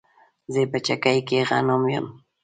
زه په چکۍ کې غنم اڼم